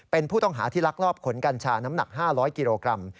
เป็นผู้ต้องหาที่ลักลอบขนกัญชาน้ำหนัก๕๐๐กิโลกรัม